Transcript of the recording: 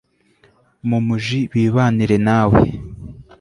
mumuji bibanire nawe…